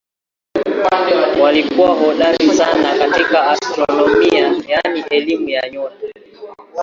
Walikuwa hodari sana katika astronomia yaani elimu ya nyota.